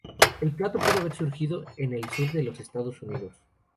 El plato pudo haber surgido en el sur de los Estados Unidos.